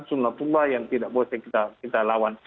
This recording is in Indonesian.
sunatullah yang tidak boleh kita lawan